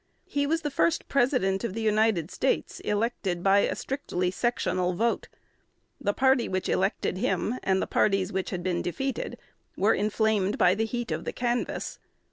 He was the first President of the United States elected by a strictly sectional vote. The party which elected him, and the parties which had been defeated, were inflamed by the heat of the canvass.